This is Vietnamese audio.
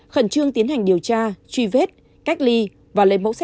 khẩn trương tiến hành điều tra truy vết cách ly và lấy mẫu xét nghiệm